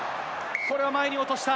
これは前に落とした。